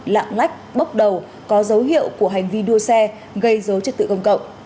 lạng lách bốc đầu có dấu hiệu của hành vi đua xe gây dấu chất tự công cộng